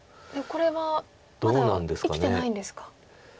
これはまだ生きてないんですか？